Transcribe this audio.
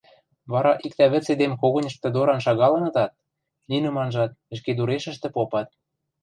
Вара иктӓ вӹц эдем когыньышты доран шагалынытат, нинӹм анжат, ӹшкедурешӹштӹ попат.